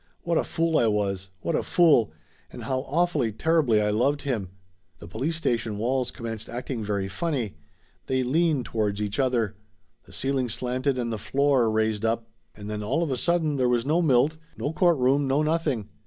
What a fool I was, what a fool, and how awfully, terribly, I loved him ! The police station walls commenced acting very funny; they leaned towards each other. The ceiling slanted and the floor raised up. And then all of a sudden there was no Milt, no court room, no nothing.